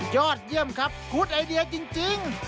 ยอดเยี่ยมครับคุดไอเดียจริง